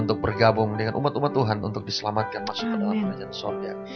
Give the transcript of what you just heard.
untuk bergabung dengan umat umat tuhan untuk diselamatkan masuk ke dalam kerajaan sorga